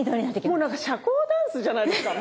もう何か社交ダンスじゃないですか。